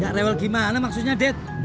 udah gak rewel gimana maksudnya det